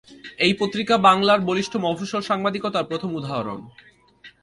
এই পত্রিকা বাংলার বলিষ্ঠ মফস্বল সাংবাদিকতার প্রথম উদাহরণ।